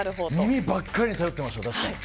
耳ばっかりに頼ってました。